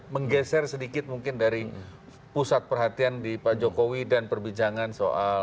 menggeser sedikit mungkin dari pusat perhatian di pak jokowi dan perbincangan soal